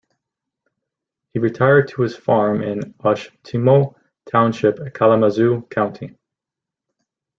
He retired to his farm in Oshtemo Township, Kalamazoo County.